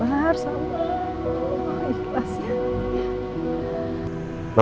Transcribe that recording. oh ikhlas ya